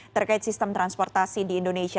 terkait sistem transportasi di indonesia